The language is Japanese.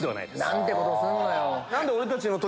何てことすんのよ。